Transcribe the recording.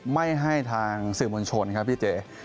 ไม่ให้ทางสื่อมวลชนครับพี่เจ